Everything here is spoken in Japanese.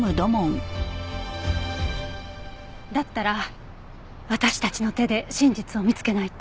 だったら私たちの手で真実を見つけないと。